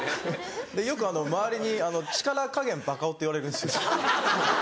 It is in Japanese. よく周りに「力加減バカ男」って言われるんですよ。